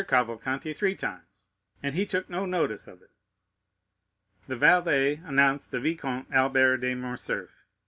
Cavalcanti three times, and he took no notice of it." The valet announced the Vicomte Albert de Morcerf.